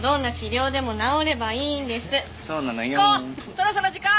そろそろ時間！